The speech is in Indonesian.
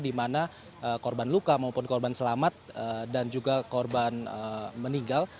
di mana korban luka maupun korban selamat dan juga korban meninggal